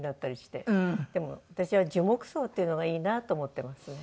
でも私は樹木葬っていうのがいいなと思ってますね。